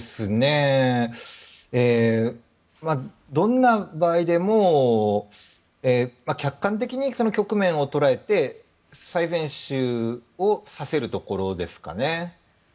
どんな場合でも客観的に局面を捉えて最善手を指せるところですかね。